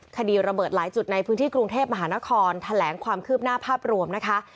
คดีระเบิดหลายจุดในพื้นที่กรุงเทพมหานครแถลงความคืบหน้าภาพรวมนะคะ